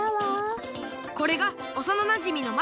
これがおさななじみのマイカ。